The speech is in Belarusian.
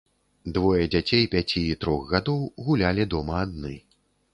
Двое дзяцей пяці і трох гадоў гулялі дома адны.